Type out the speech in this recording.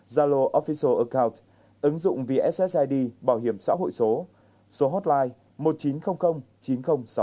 zalo official account ứng dụng vssid bảo hiểm xã hội số số hotline một chín không không chín không sáu tám